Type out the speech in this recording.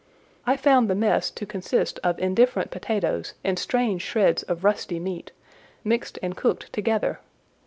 I found the mess to consist of indifferent potatoes and strange shreds of rusty meat, mixed and cooked together.